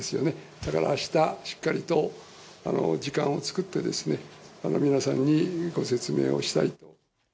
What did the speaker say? だからあした、しっかりと時間を作ってですね、皆さんにご説明をしたいと。